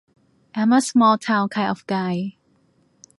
I'm a small town kind of guy!